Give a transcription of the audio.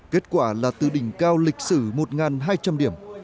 kết quả là từ đỉnh cao lịch sử một hai trăm linh điểm